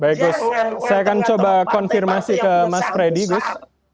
baik gus saya akan coba konfirmasi ke mas freddy gus